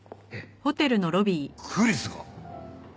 クリスが？